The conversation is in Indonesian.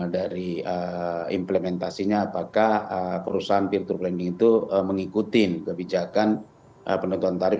dari implementasinya apakah perusahaan peer tour planning itu mengikuti kebijakan penentuan tarif